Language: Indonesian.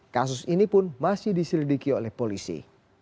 kasus ini pun masih diselidiki oleh polisi